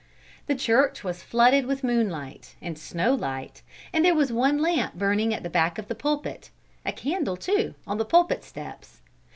The church was flooded with moonlight and snowlight, and there was one lamp burning at the back of the pulpit; a candle, too, on the pulpit steps.